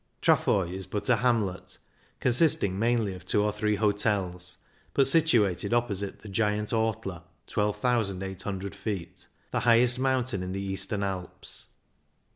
Trafoi is but a hamlet, consisting mainly of two or three hotels, but situated opposite the giant Ortler (12,800 ft.), the highest mountain in the Eastern Alps.